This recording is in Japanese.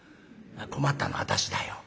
困ったのは私だよ。